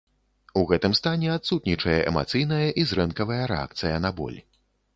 У гэтым стане адсутнічае эмацыйная і зрэнкавая рэакцыя на боль.